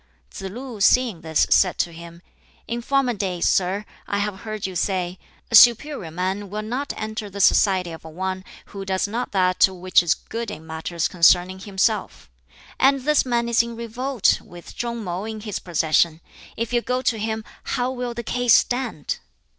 Tsz lu (seeing this) said to him, "In former days, sir, I have heard you say, 'A superior man will not enter the society of one who does not that which is good in matters concerning himself'; and this man is in revolt, with Chung man in his possession; if you go to him, how will the case stand?"